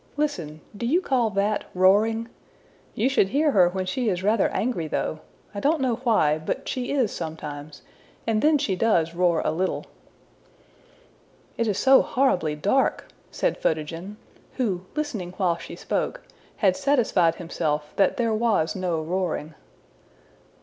Listen: do you call that roaring? You should hear her when she is rather angry though! I don't know why, but she is sometimes, and then she does roar a little.'' ``It is so horribly dark!'' said Photogen, who, listening while she spoke, had satisfied himself that there was no roaring.